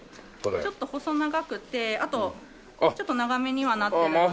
ちょっと細長くてあとちょっと長めにはなってるので。